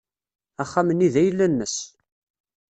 Axxam-nni d ayla-nnes.